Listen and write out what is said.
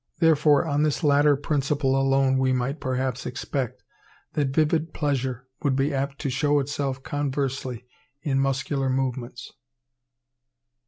Therefore on this latter principle alone we might perhaps expect, that vivid pleasure would be apt to show itself conversely in muscular movements.